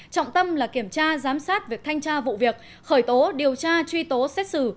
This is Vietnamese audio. trọng tâm là kiểm tra giám sát việc thanh tra vụ việc khởi tố điều tra truy tố xét xử